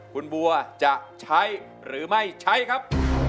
คุณบัวจะใช้หรือไม่ใช้ครับ